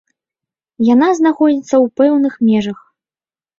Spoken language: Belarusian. Яна знаходзіцца ў пэўных межах.